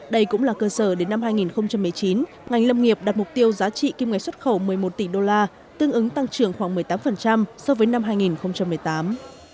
đây cũng là cơ sở đến năm hai nghìn một mươi chín ngành lâm nghiệp đạt mục tiêu giá trị kim ngạch xuất khẩu một mươi một tỷ đô la tương ứng tăng trưởng khoảng một mươi tám so với năm hai nghìn một mươi tám